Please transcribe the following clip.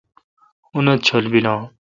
انت چل بیل ان